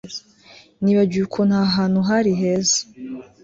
nibagiwe ukuntu aha hantu hari heza